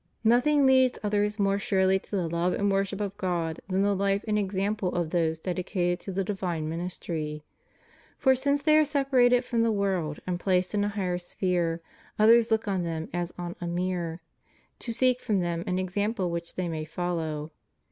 "Nothing leads others more sxirely to the love and worship of God than the life and example of those dedicated to the divine ministry; for, since they are separated from the world and placed in a higher sphere, others look on them as on a mirror, to seek from them an example which they may follow."